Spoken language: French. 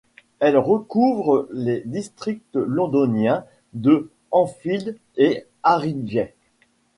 Elle recouvre les districts londoniens de Enfield et Haringey.